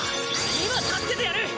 今助けてやる！